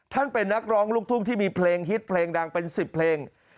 เป็นนักร้องลูกทุ่งที่มีเพลงฮิตเพลงดังเป็น๑๐เพลง